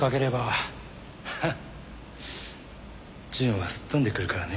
淳はすっ飛んで来るからね。